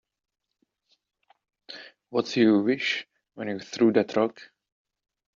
What'd you wish when you threw that rock?